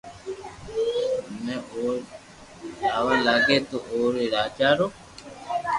جني او جاوا لاگي تو اوري راجا رو